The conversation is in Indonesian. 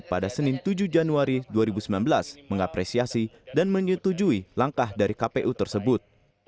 pada senin tujuh januari dua ribu sembilan belas mengapresiasi dan menyetujui langkah dari kpu tersebut